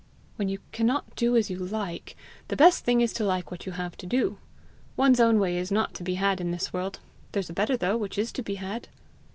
"When you cannot do as you like, the best thing is to like what you have to do. One's own way is not to be had in this world. There's a better, though, which is to be had!"